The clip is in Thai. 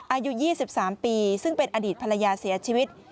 อายุ๒๓ปีซึ่งเป็นอดีตภรรยาเสียชีวิต